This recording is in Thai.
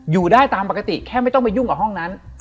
อยู่ได้ตามปกติแค่ไม่ต้องไปยุ่งกับห้องนั้น